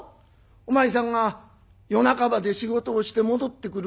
お前さんが夜中まで仕事をして戻ってくる。